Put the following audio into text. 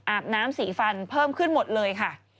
น้ำสีฟันเพิ่มขึ้นหมดเลยค่ะ